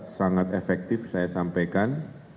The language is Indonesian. sangat efektif saya sampaikan